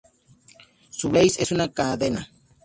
Su Blaze es una cadena.